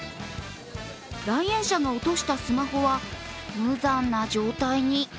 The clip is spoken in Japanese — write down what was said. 来園者が落としたスマホは無残な状態に。